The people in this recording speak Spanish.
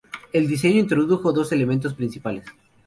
El diseño introdujo dos elementos principales.